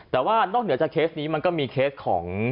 แต่ว่านอกเหนือจากเคสนี้มันก็มีเคสของ